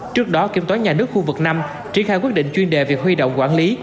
trước đó kiểm toán nhà nước khu vực năm triển khai quyết định chuyên đề việc huy động quản lý